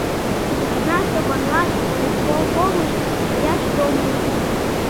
Икана Стопанлан волисполкомыш каяш сомыл лийын.